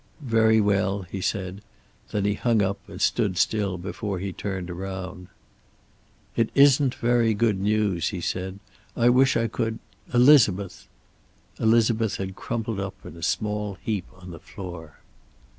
"Very well," he said. Then he hung up and stood still before he turned around: "It isn't very good news," he said. "I wish I could Elizabeth!" Elizabeth had crumpled up in a small heap on the floor.